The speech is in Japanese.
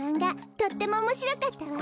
とってもおもしろかったわ。